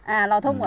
à lò thông ạ